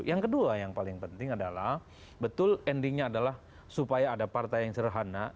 yang kedua yang paling penting adalah betul endingnya adalah supaya ada partai yang serhana